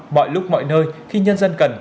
mọi lúc mọi nơi khi nhân dân cần